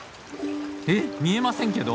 えっ見えませんけど！？